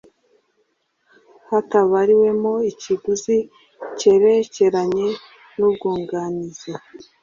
hatabariwemo ikiguzi cyerekeranye n ubwunganizi